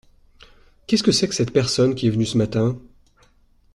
Qu’est-ce que c’est que cette personne qui est venue ce matin ?…